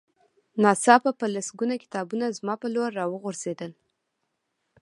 ناڅاپه په لسګونه کتابونه زما په لور را وغورځېدل